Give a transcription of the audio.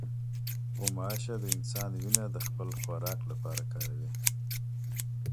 غوماشه د انسان وینه د خپل خوراک لپاره کاروي.